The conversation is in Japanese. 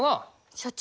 所長